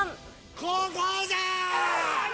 ここじゃー！